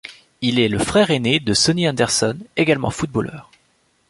Il est le frère aîné de Sonny Anderson, également footballeur.